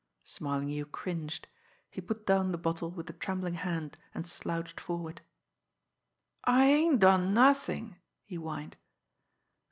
Smarlinghue cringed. He put down the bottle with a trembling hand, and slouched forward. "I ain't done nothing!" he whined.